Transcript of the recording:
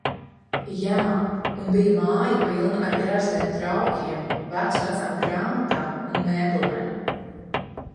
Jā un bija māja pilna ar grezniem traukiem, vecu vecām grāmatām un mēbelēm.